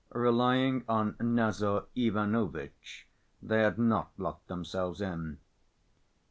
Relying on Nazar Ivanovitch, they had not locked themselves in.